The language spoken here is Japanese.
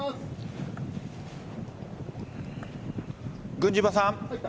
郡嶌さん。